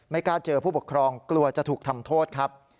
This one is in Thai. กล้าเจอผู้ปกครองกลัวจะถูกทำโทษครับ